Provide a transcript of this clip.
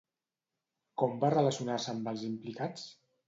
Com va relacionar-se amb els implicats?